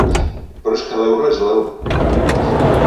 Però és que l'euro és l'euro.